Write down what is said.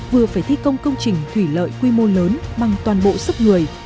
vừa phải thi công công trình thủy lợi quy mô lớn bằng toàn bộ sức người